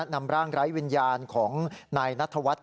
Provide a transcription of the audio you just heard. นำร่างไร้วิญญาณของนายนัทวัฒน์